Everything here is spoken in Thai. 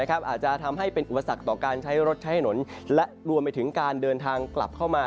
อาจจะทำให้เป็นอุปสรรคต่อการใช้รถใช้ถนนและรวมไปถึงการเดินทางกลับเข้ามา